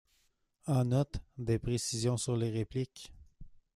En note, des précisions sur les répliques.